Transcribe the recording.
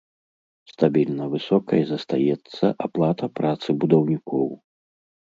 Стабільна высокай застаецца аплата працы будаўнікоў.